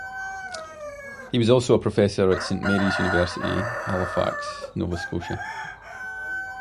He was also a professor at Saint Mary's University, Halifax, Nova Scotia.